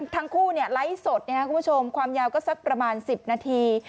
ทั้งคู่ไลฟ์สดคุณผู้ชมความยาวก็สักประมาณ๑๐นาที